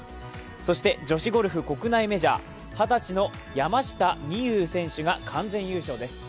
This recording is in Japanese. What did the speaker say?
そして女子ゴルフ、国内メジャー、二十歳の山下美夢有選手が完全優勝です。